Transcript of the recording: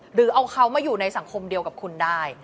หรือเอาเขามาอยู่ในสังคมเดียวกับคุณได้